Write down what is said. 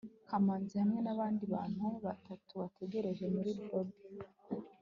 kamanzi hamwe nabandi bantu batatu bategereje muri lobby